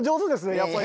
やっぱり。